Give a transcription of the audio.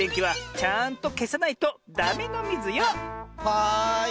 はい。